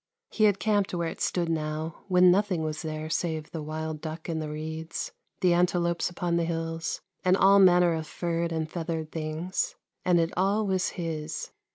He had camped where it stood now, when nothing was there save the wild duck in the reeds, the antelopes upon the hills, and all manner of furred and feathered things ; and it all was his.